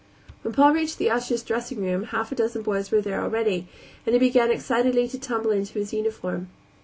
When Paul reached the ushers' dressing room half a dozen boys were there already, and he began excitedly to tumble into his uniform.